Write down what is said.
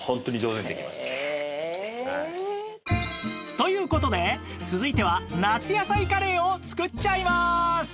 という事で続いては夏野菜カレーを作っちゃいます！